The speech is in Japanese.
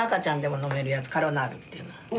カロナールっていうの。